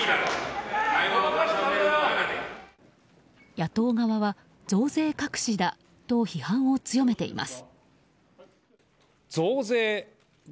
野党側は増税隠しだと批判を強めています。